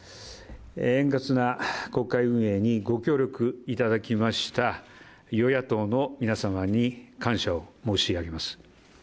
円滑な国会運営にご協力いただきました与野党の皆様に感謝を申し上げます。